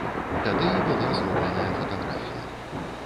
Тады і была зробленая фатаграфія.